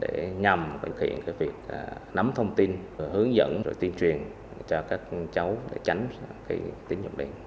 để nhằm thực hiện việc nắm thông tin hướng dẫn rồi tuyên truyền cho các cháu để tránh tín dụng đen